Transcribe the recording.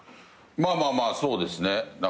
まあまあまあそうですね。